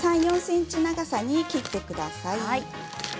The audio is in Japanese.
３、４ｃｍ長さに切ってください。